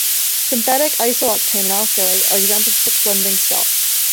Synthetic iso-octane and alkylate are examples of such blending stocks.